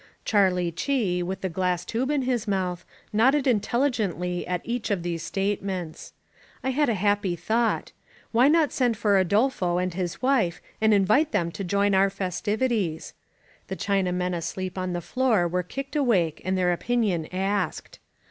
Charlie Chee, with the glass tube in his mouth, nodded intelligently at each of these statements. I had a happy thought. Why not send for Adolfo and his wife and invite them to join our festivities? The Chinamen asleep on the floor were kicked awake and their opinion asked.